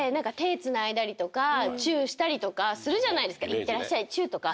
いってらっしゃいチュッとか。